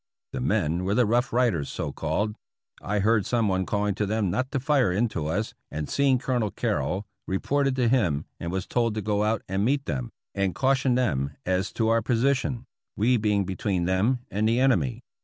The men were the 'Rough Riders,' so called. I heard some one calling to them not to fire into us, and see ing Colonel Carrol, reported to him, and was told to go out and meet them, and caution them as to our position, we being between them and the enemy.